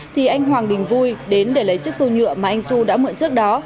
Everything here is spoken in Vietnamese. thì anh hoàng đình vui đến để lấy chiếc xô nhựa mà anh su đã mượn trước đó